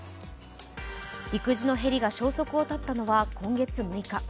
陸自のヘリが消息を絶ったのは今月６日。